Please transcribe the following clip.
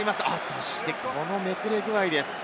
そして、このめくれ具合です。